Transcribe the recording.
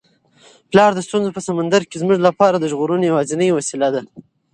پلار د ستونزو په سمندر کي زموږ لپاره د ژغورنې یوازینۍ وسیله ده.